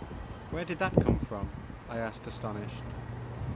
Where did that come from ?" I asked aston ished.